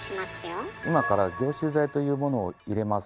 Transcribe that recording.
今から凝集剤というものを入れます。